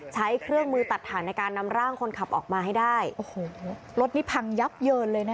ใช้เครื่องมือตัดฐานในการนำร่างคนขับออกมาให้ได้โอ้โหรถนี่พังยับเยินเลยนะคะ